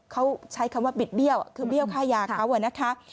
เขาใช้คำว่าบิดเบี้ยวคือเบี้ยวค่ายาเขานะคะ